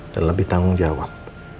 dan lebih tanggung jawab